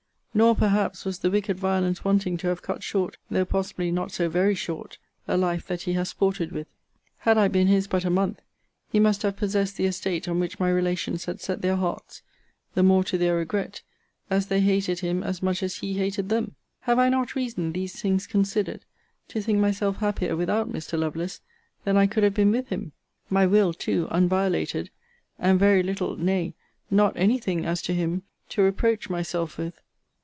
Nor perhaps was the wicked violence wanting to have cut short, though possibly not so very short, a life that he has sported with. Had I been his but a month, he must have possessed the estate on which my relations had set their hearts; the more to their regret, as they hated him as much as he hated them. Have I not reason, these things considered, to think myself happier without Mr. Lovelace than I could have been with him? My will too unviolated; and very little, nay, not any thing as to him, to reproach myself with?